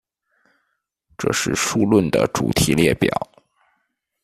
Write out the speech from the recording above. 这是数论的主题列表。